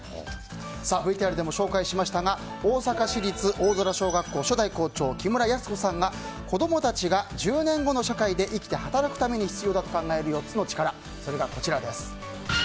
ＶＴＲでも紹介しましたが大阪市立大空小学校初代校長・木村泰子さんが子供たちが１０年後の社会で生きて働くために必要だと考える４つの力がこちら。